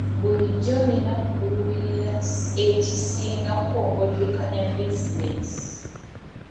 Bulijjo olina kuluubirira ekisingako ng'oddukanya bizinensi.